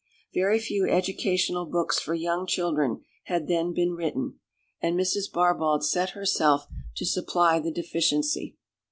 Very few educational books for young children had then been written, and Mrs. Barbauld set herself to supply the deficiency.